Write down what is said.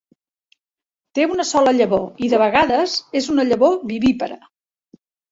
Té una sola llavor i de vegades és una llavor vivípara.